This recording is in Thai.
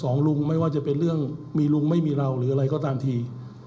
สองลุงไม่ว่าจะเป็นเรื่องมีลุงไม่มีเราหรืออะไรก็ตามที